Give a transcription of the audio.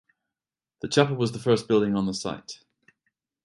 The chapel was the first building on the site.